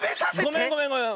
ごめんごめんごめん。